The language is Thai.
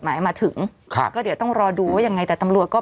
หมายมาถึงครับก็เดี๋ยวต้องรอดูว่ายังไงแต่ตำรวจก็